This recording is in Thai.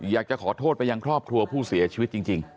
อยากจะขอโทษไปยังครอบครัวผู้เสียชีวิตจริง